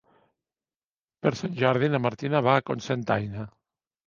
Per Sant Jordi na Martina va a Cocentaina.